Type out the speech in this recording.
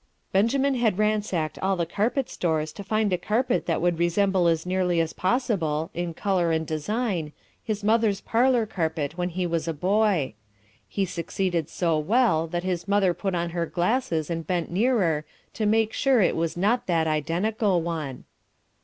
Benjamin had ransacked all the carpet stores to find a carpet that would resemble as nearly as possible, in colour and design, his mother's parlour carpet when he was a boy. He succeeded so well that his mother put on her glasses and bent nearer to make sure that it was not that identical one.